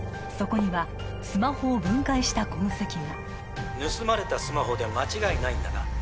そこにはスマホを分解した痕跡が盗まれたスマホで間違いないんだな？